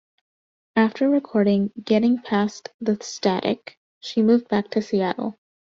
After recording "Getting Past the Static", she moved back to Seattle.